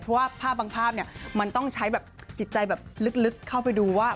เพราะว่าภาพบางภาพเนี่ยมันต้องใช้แบบจิตใจแบบลึกเข้าไปดูว่า